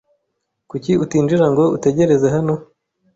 Kuki utinjira ngo utegereze hano?